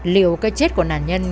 liệu cái chết của nạn nhân